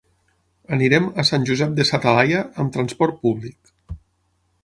Anirem a Sant Josep de sa Talaia amb transport públic.